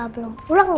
masa itu udah berakhir